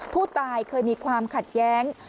ผู้ตายเคยมีความขัดแย้ง